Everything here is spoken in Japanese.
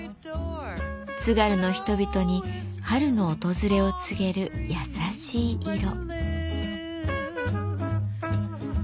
津軽の人々に春の訪れを告げる優しい色。